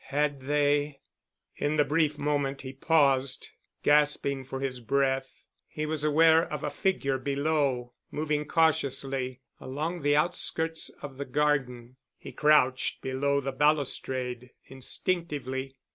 Had they ... In the brief moment he paused, gasping for his breath, he was aware of a figure below moving cautiously along the outskirts of the garden. He crouched below the balustrade instinctively.